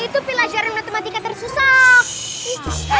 itu pilajaran matematika tersusah